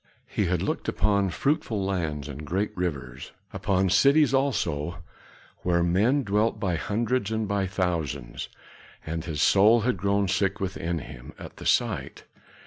He had looked upon fruitful lands and great rivers, upon cities also, where men dwelt by hundreds and by thousands, and his soul had grown sick within him at the sight.